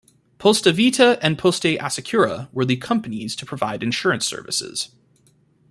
Poste Vita and Poste Assicura were the companies to provide insurance services.